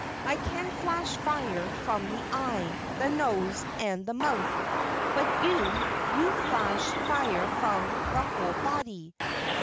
I can flash fire from the eye, the nose and the mouth; but you you flash fire from the whole body!